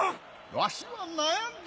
わしは悩んだ！